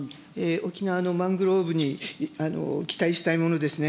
沖縄のマングローブに期待したいものですね。